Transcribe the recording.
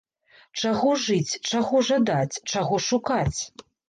Чаго жыць, чаго жадаць, чаго шукаць?